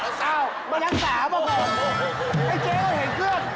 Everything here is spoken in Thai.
ไอ้เจคก็เห็นเคลื่อน